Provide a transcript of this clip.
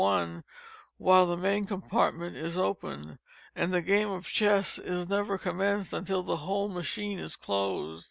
1 while the main compartment is open—and the game of chess is never commenced until the whole machine is closed.